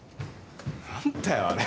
何だよあれ。